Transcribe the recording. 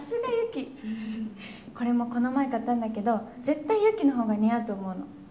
これもこの前買ったんだけど絶対雪の方が似合うと思うの。